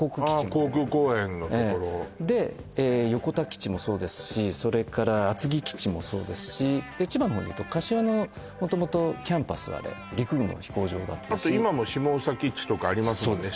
航空公園のところで横田基地もそうですしそれから厚木基地もそうですし千葉の方でいうと柏のもともとキャンパスはあれ陸軍の飛行場だったしあと今も下総基地とかありますもんね